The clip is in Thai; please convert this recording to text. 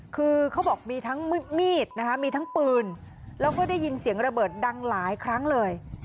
คือเขาบอกมีทั้งมีดนะคะมีทั้งปืนแล้วก็ได้ยินเสียงระเบิดดังหลายครั้งเลย